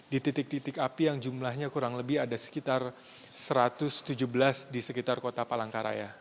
di titik titik api yang jumlahnya kurang lebih ada sekitar satu ratus tujuh belas di sekitar kota palangkaraya